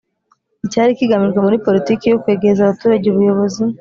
Icyari kigamijwe muri poritiki yo kwegereza abaturage ubuyobozi